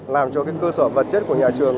làm cho cái cơ sở vật chất của nhà trường